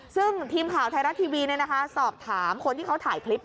ซึ่งทีมข่าวไทยรัฐทีวีสอบถามคนที่เขาถ่ายคลิป